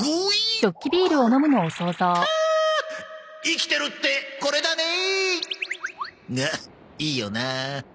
生きてるってこれだね！がいいよなあ。